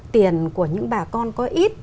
tiền của những bà con có ít